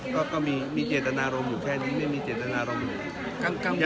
ก็มีเจตนารมณ์อยู่แค่นี้ไม่มีเจตนารมณ์อยู่